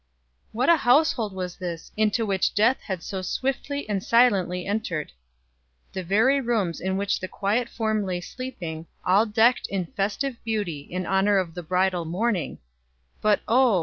What a household was this into which death had so swiftly and silently entered! The very rooms in which the quiet form lay sleeping, all decked in festive beauty in honor of the bridal morning; but oh!